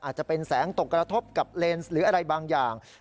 อาจจะเป็นแสงตกกระทบกับเลนส์หรืออะไรบางอย่าง